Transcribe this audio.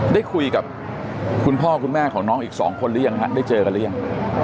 ได้คุยกับคุณพ่อคุณแม่ของน้องอีก๒คนหรือยังฮะได้เจอกันหรือยัง